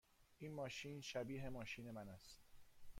این ماشین شبیه ماشین من است.